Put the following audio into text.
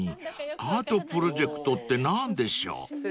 ［アートプロジェクトって何でしょう？］